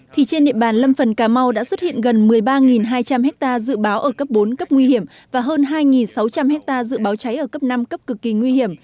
thì trên địa bàn lâm phần cà mau đã xuất hiện gần một mươi ba hai trăm linh ha dự báo ở cấp bốn cấp nguy hiểm và hơn hai sáu trăm linh hectare dự báo cháy ở cấp năm cấp cực kỳ nguy hiểm